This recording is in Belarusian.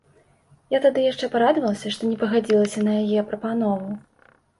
Я тады яшчэ парадавалася, што не пагадзілася на яе прапанову.